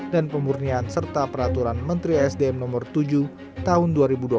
dan pemurnian serta peraturan menteri sdm no tujuh tahun dua ribu dua puluh dua